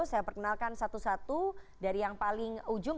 saya perkenalkan satu satu dari yang paling ujung